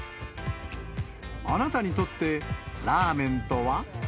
あなたにとってラーメンとは？